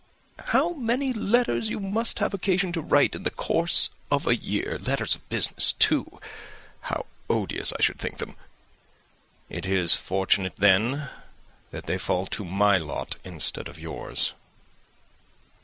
"How many letters you must have occasion to write in the course of a year! Letters of business, too! How odious I should think them!" "It is fortunate, then, that they fall to my lot instead of to yours."